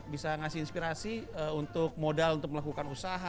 bisa ngasih inspirasi untuk modal untuk melakukan usaha